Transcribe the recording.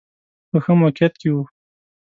په ښه موقعیت کې و.